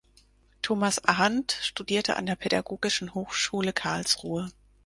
Thomas Arndt studierte an der Pädagogischen Hochschule Karlsruhe.